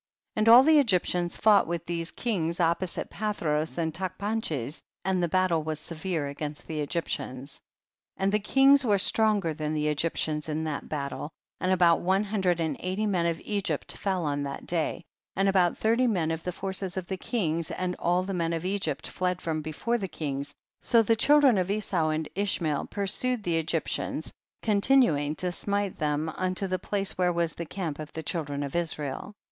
31. And all the Eijvplians fought with these kings opposite Pathros and Tachpanches, and the battle was severe against the Egyptians. 32. And the kinus were stronger than the Egyptians in that battle, and 204 THE BOOK OF JASHER. about one hundred and eighty men of Egypt fell on that day, and about thirty men of the forces of the kings, and all the men of Egypt fled from before the kings, so the children of Esau and Ishmael pursued the Egyp tians, continuing to smite them unto the place where was the camp of the children of Israel.